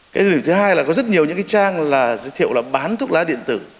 cái thứ hai là có rất nhiều những cái trang là giới thiệu là bán thuốc lá điện tử